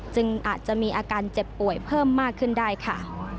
อาจจะมีอาการเจ็บป่วยเพิ่มมากขึ้นได้ค่ะ